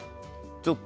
ちょっと。